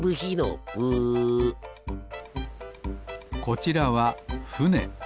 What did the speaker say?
こちらはふね。